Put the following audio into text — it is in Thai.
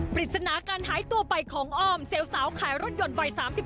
ปริศนาการหายตัวไปของอ้อมเซลล์สาวขายรถยนต์วัย๓๔